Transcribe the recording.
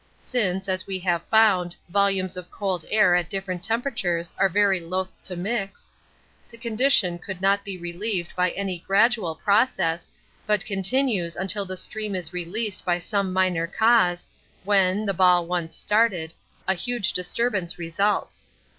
Since, as we have found, volumes of cold air at different temperatures are very loath to mix, the condition could not be relieved by any gradual process, but continues until the stream is released by some minor cause, when, the ball once started, a huge disturbance results.